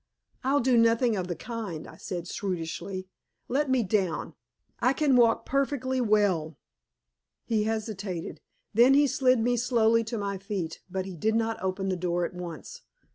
"I'll do nothing of the kind," I said shrewishly. "Let me down; I can walk perfectly well." He hesitated. Then he slid me slowly to my feet, but he did not open the door at once.